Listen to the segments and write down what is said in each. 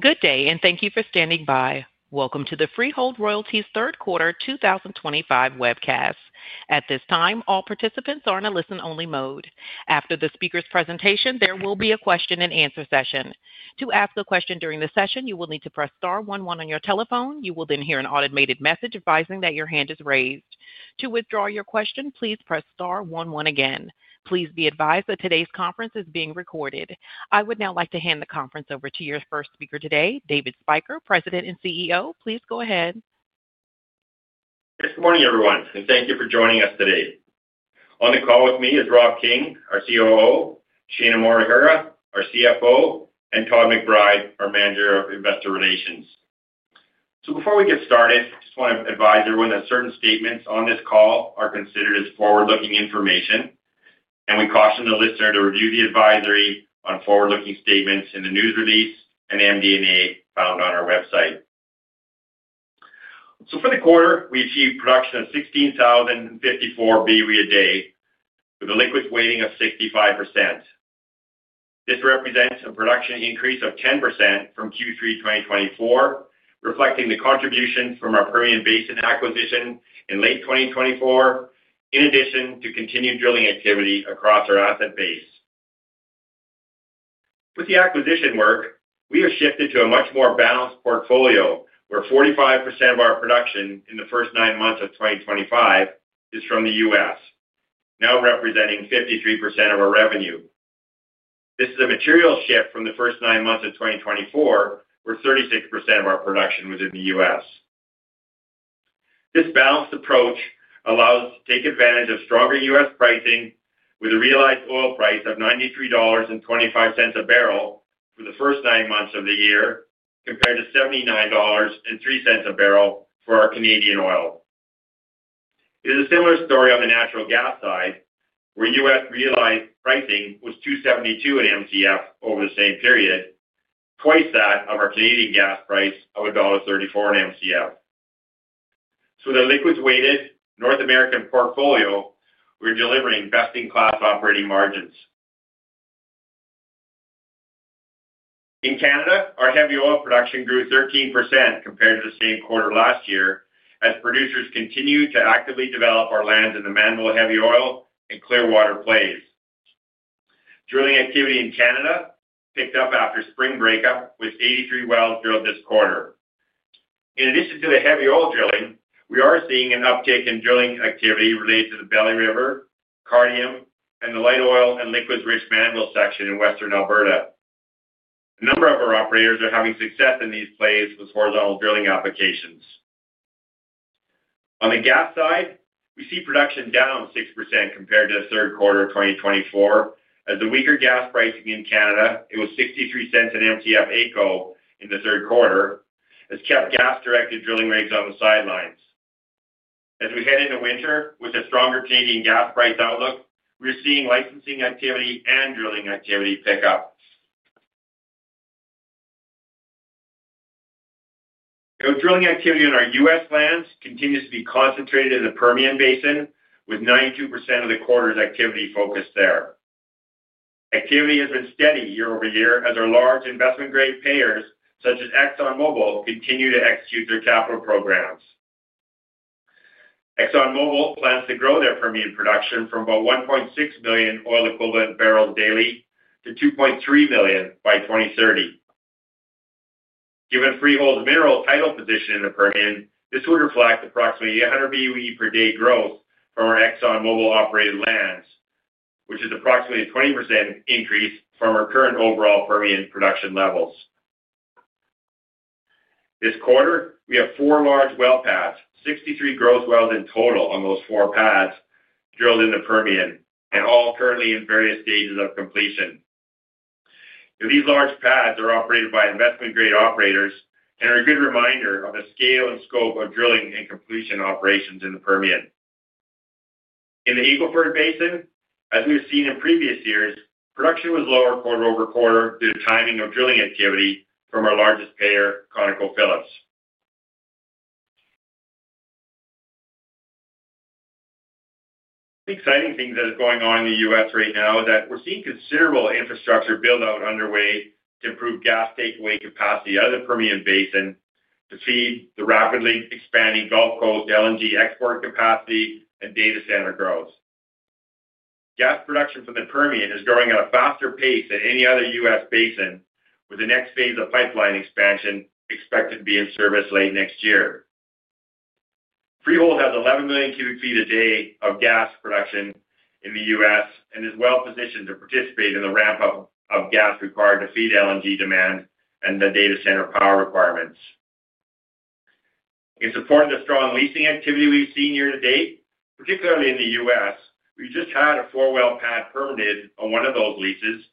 Good day, and thank you for standing by. Welcome to the Freehold Royalties third quarter 2025 webcast. At this time, all participants are in a listen-only mode. After the speaker's presentation, there will be a question-and-answer session. To ask a question during the session, you will need to press star one one on your telephone. You will then hear an automated message advising that your hand is raised. To withdraw your question, please press star one one again. Please be advised that today's conference is being recorded. I would now like to hand the conference over to your first speaker today, David Spyker, President and CEO. Please go ahead. Good morning, everyone, and thank you for joining us today. On the call with me is Rob King, our COO, Shaina Morihira, our CFO, and Todd McBride, our Manager of Investor Relations. Before we get started, I just want to advise everyone that certain statements on this call are considered as forward-looking information, and we caution the listener to review the advisory on forward-looking statements in the news release and MD&A found on our website. For the quarter, we achieved production of 16,054 BOE a day with a liquids weighting of 65%. This represents a production increase of 10% from Q3 2024, reflecting the contributions from our Permian Basin acquisition in late 2024, in addition to continued drilling activity across our asset base. With the acquisition work, we have shifted to a much more balanced portfolio where 45% of our production in the first nine months of 2025 is from the U.S., now representing 53% of our revenue. This is a material shift from the first nine months of 2024, where 36% of our production was in the U.S. This balanced approach allows us to take advantage of stronger U.S. pricing with a realized oil price of $93.25 a barrel for the first nine months of the year compared to $79.03 a barrel for our Canadian oil. It is a similar story on the natural gas side, where U.S. realized pricing was $2.72 an MCF over the same period, twice that of our Canadian gas price of $1.34 an MCF. With a liquids-weighted North American portfolio, we're delivering best-in-class operating margins. In Canada, our heavy oil production grew 13% compared to the same quarter last year as producers continue to actively develop our lands in the Mannville Heavy Oil and Clearwater plays. Drilling activity in Canada picked up after spring breakup with 83 wells drilled this quarter. In addition to the heavy oil drilling, we are seeing an uptick in drilling activity related to the Belly River, Cardium, and the light oil and liquids-rich Mannville section in western Alberta. A number of our operators are having success in these plays with horizontal drilling applications. On the gas side, we see production down 6% compared to the third quarter of 2024 as the weaker gas pricing in Canada, it was $0.63 an MCF AECO in the third quarter, has kept gas-directed drilling rates on the sidelines. As we head into winter with a stronger Canadian gas price outlook, we're seeing licensing activity and drilling activity pick up. Drilling activity on our U.S. lands continues to be concentrated in the Permian Basin with 92% of the quarter's activity focused there. Activity has been steady year-over-year as our large investment-grade payers such as ExxonMobil continue to execute their capital programs. ExxonMobil plans to grow their Permian production from about 1.6 million oil-equivalent barrels daily to 2.3 million by 2030. Given Freehold's mineral title position in the Permian, this would reflect approximately 800 BOE per day growth from our ExxonMobil-operated lands, which is approximately a 20% increase from our current overall Permian production levels. This quarter, we have four large well pads, 63 gross wells in total on those four pads drilled in the Permian, and all currently in various stages of completion. These large pads are operated by investment-grade operators and are a good reminder of the scale and scope of drilling and completion operations in the Permian. In the Eagle Ford Basin, as we've seen in previous years, production was lower quarter-over-quarter due to timing of drilling activity from our largest payer, ConocoPhillips. The exciting thing that is going on in the U.S. right now is that we're seeing considerable infrastructure build-out underway to improve gas takeaway capacity out of the Permian Basin to feed the rapidly expanding Gulf Coast LNG export capacity and data center growth. Gas production from the Permian is growing at a faster pace than any other U.S. basin, with the next phase of pipeline expansion expected to be in service late next year. Freehold has 11 million cubic feet a day of gas production in the U.S. and is well positioned to participate in the ramp-up of gas required to feed LNG demand and the data center power requirements. In support of the strong leasing activity we've seen year-to-date, particularly in the U.S., we've just had a four well pad permitted on one of those leases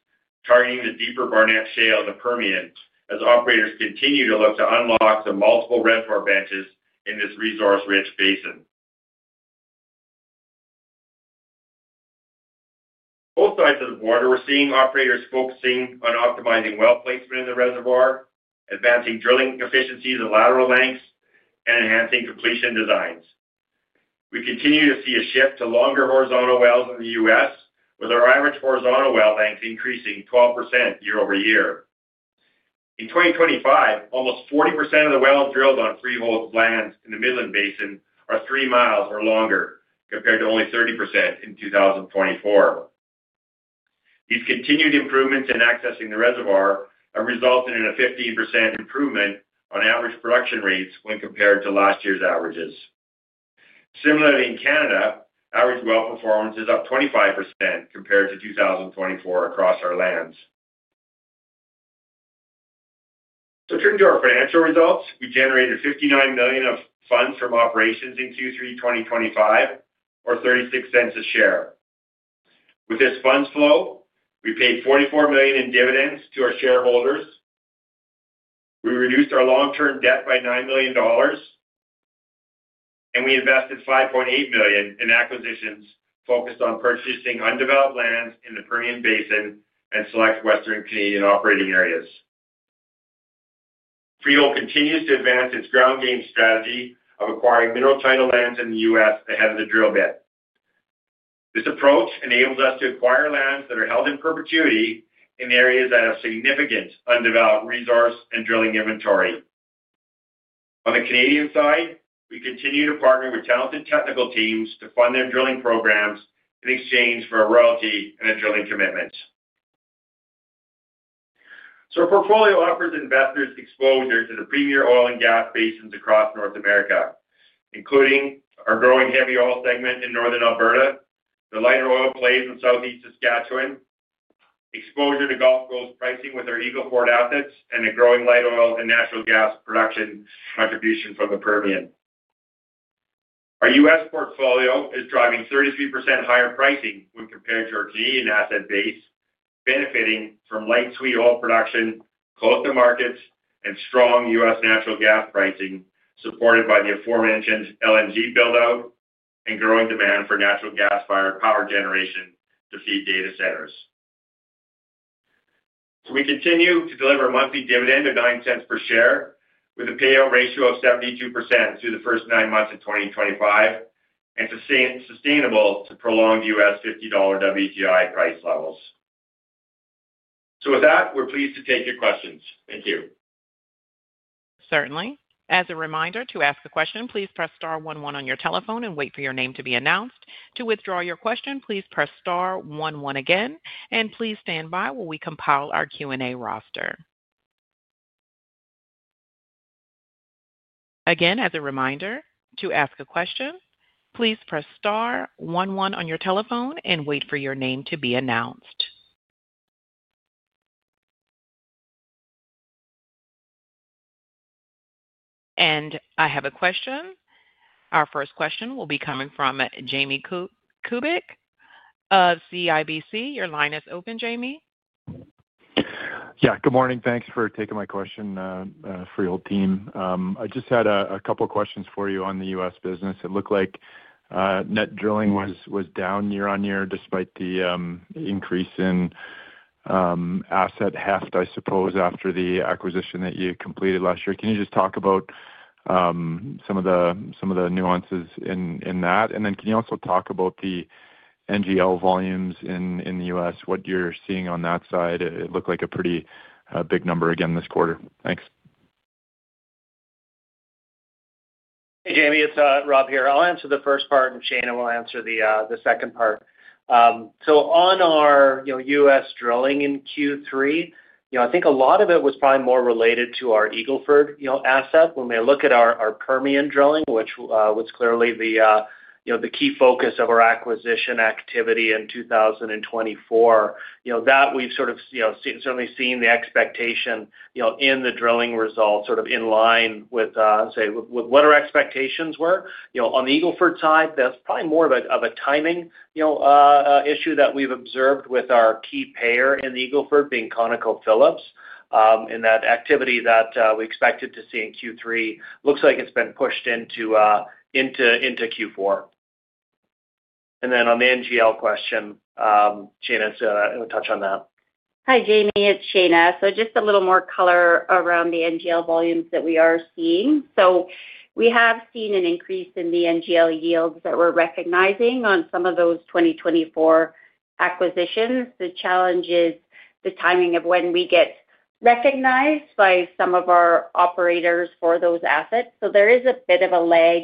targeting the deeper Barnett Shale in the Permian as operators continue to look to unlock the multiple reservoir benches in this resource-rich basin. Both sides of the border, we're seeing operators focusing on optimizing well placement in the reservoir, advancing drilling efficiencies and lateral lengths, and enhancing completion designs. We continue to see a shift to longer horizontal wells in the U.S., with our average horizontal well length increasing 12% year-over-year. In 2025, almost 40% of the wells drilled on Freehold's lands in the Midland Basin are three miles or longer compared to only 30% in 2024. These continued improvements in accessing the reservoir have resulted in a 15% improvement on average production rates when compared to last year's averages. Similarly, in Canada, average well performance is up 25% compared to 2024 across our lands. Turning to our financial results, we generated 59 million of funds from operations in Q3 2025, or 0.36 a share. With this funds flow, we paid 44 million in dividends to our shareholders. We reduced our long-term debt by 9 million dollars, and we invested 5.8 million in acquisitions focused on purchasing undeveloped lands in the Permian Basin and select western Canadian operating areas. Freehold continues to advance its ground gain strategy of acquiring mineral title lands in the U.S. ahead of the drill bit. This approach enables us to acquire lands that are held in perpetuity in areas that have significant undeveloped resource and drilling inventory. On the Canadian side, we continue to partner with talented technical teams to fund their drilling programs in exchange for a royalty and a drilling commitment. Our portfolio offers investors exposure to the premier oil and gas basins across North America, including our growing heavy oil segment in Northern Alberta, the lighter oil plays in Southeast Saskatchewan, exposure to Gulf Coast pricing with our Eagle Ford assets, and a growing light oil and natural gas production contribution from the Permian. Our U.S. portfolio is driving 33% higher pricing when compared to our Canadian asset base, benefiting from light sweet oil production close to markets and strong U.S. natural gas pricing supported by the aforementioned LNG build-out and growing demand for natural gas-fired power generation to feed data centers. We continue to deliver a monthly dividend of $0.09 per share with a payout ratio of 72% through the first nine months of 2025 and sustainable to prolonged $50 WTI price levels. With that, we're pleased to take your questions. Thank you. Certainly. As a reminder to ask a question, please press star one one on your telephone and wait for your name to be announced. To withdraw your question, please press star one one again, and please stand by while we compile our Q&A roster. Again, as a reminder to ask a question, please press star one one on your telephone and wait for your name to be announced. I have a question. Our first question will be coming from Jamie Kubik of CIBC. Your line is open, Jamie. Yeah, good morning. Thanks for taking my question, Freehold team. I just had a couple of questions for you on the U.S. business. It looked like net drilling was down year on year despite the increase in asset heft, I suppose, after the acquisition that you completed last year. Can you just talk about some of the nuances in that? Can you also talk about the NGL volumes in the U.S., what you're seeing on that side? It looked like a pretty big number again this quarter. Thanks. Hey, Jamie, it's Rob here. I'll answer the first part, and Shaina will answer the second part. On our U.S. drilling in Q3, I think a lot of it was probably more related to our Eagle Ford asset. When we look at our Permian drilling, which was clearly the key focus of our acquisition activity in 2024, we've certainly seen the expectation in the drilling results sort of in line with, say, what our expectations were. On the Eagle Ford side, that's probably more of a timing issue that we've observed with our key payer in the Eagle Ford being ConocoPhillips, and that activity that we expected to see in Q3 looks like it's been pushed into Q4. On the NGL question, Shaina will touch on that. Hi, Jamie. It's Shaina. Just a little more color around the NGL volumes that we are seeing. We have seen an increase in the NGL yields that we're recognizing on some of those 2024 acquisitions. The challenge is the timing of when we get recognized by some of our operators for those assets. There is a bit of a lag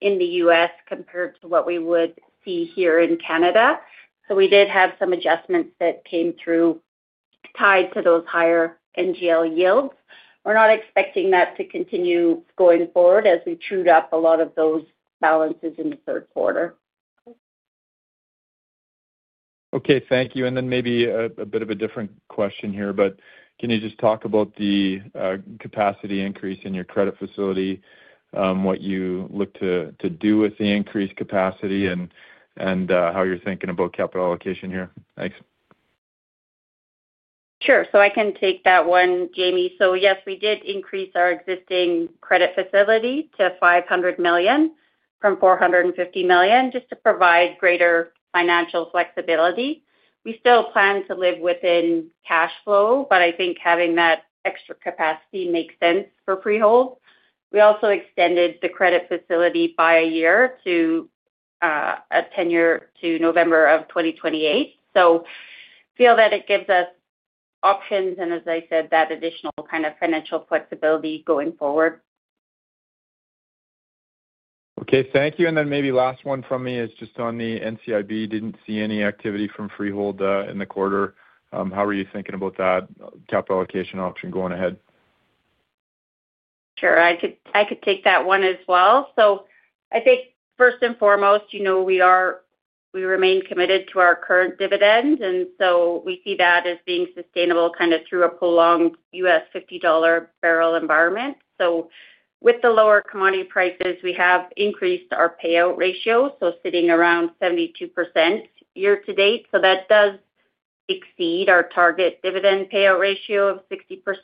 in the U.S. compared to what we would see here in Canada. We did have some adjustments that came through tied to those higher NGL yields. We're not expecting that to continue going forward as we trueed up a lot of those balances in the third quarter. Okay. Thank you. Maybe a bit of a different question here, but can you just talk about the capacity increase in your credit facility, what you look to do with the increased capacity, and how you're thinking about capital allocation here? Thanks. Sure. I can take that one, Jamie. Yes, we did increase our existing credit facility to 500 million from 450 million just to provide greater financial flexibility. We still plan to live within cash flow, but I think having that extra capacity makes sense for Freehold. We also extended the credit facility by a year to a tenure to November 2028. I feel that it gives us options and, as I said, that additional kind of financial flexibility going forward. Okay. Thank you. Maybe last one from me is just on the NCIB. Did not see any activity from Freehold in the quarter. How are you thinking about that capital allocation option going ahead? Sure. I could take that one as well. I think first and foremost, we remain committed to our current dividend, and we see that as being sustainable kind of through a prolonged $50 barrel environment. With the lower commodity prices, we have increased our payout ratio, sitting around 72% year-to-date. That does exceed our target dividend payout ratio of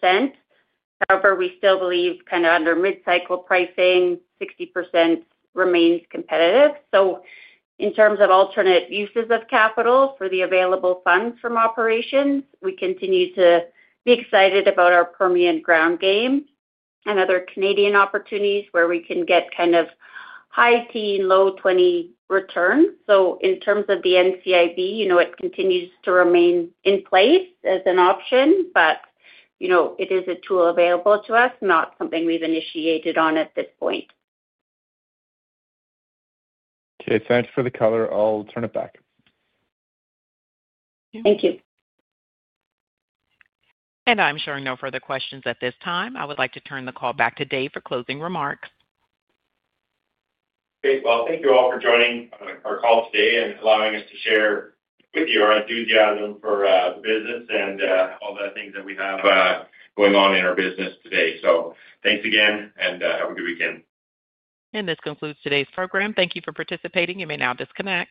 60%. However, we still believe under mid-cycle pricing, 60% remains competitive. In terms of alternate uses of capital for the available funds from operations, we continue to be excited about our Permian ground game and other Canadian opportunities where we can get kind of high teen, low 20% return. In terms of the NCIB, it continues to remain in place as an option, but it is a tool available to us, not something we've initiated on at this point. Okay. Thanks for the color. I'll turn it back. Thank you. I'm showing no further questions at this time. I would like to turn the call back to Dave for closing remarks. Great. Thank you all for joining our call today and allowing us to share with you our enthusiasm for business and all the things that we have going on in our business today. Thanks again, and have a good weekend. This concludes today's program. Thank you for participating. You may now disconnect.